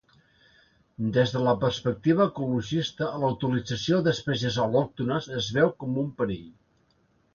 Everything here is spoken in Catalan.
Des de la perspectiva ecologista la utilització d'espècies al·lòctones es veu com un perill.